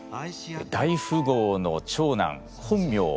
大富豪の長男本名